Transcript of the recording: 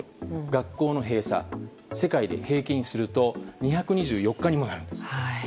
学校の閉鎖を世界で平均すると２２４日にもなるんです。